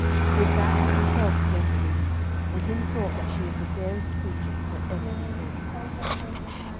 With that he beheld the gentlewoman, and him thought that she was the fairest creature that ever he saw.